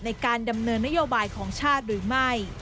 ในการดำเนินนโยบายของชาติหรือไม่